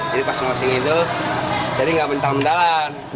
jadi pas ngoseng itu jadi gak mentah mentahan